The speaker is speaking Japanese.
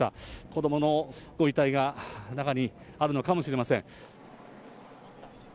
子どものご遺体が中にあるのかもしれません。